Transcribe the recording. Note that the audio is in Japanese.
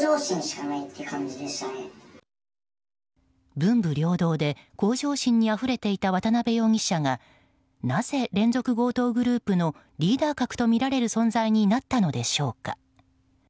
文武両道で向上心にあふれていた渡辺容疑者がなぜ、連続強盗グループのリーダー格とみられる存在になったのでしょうか。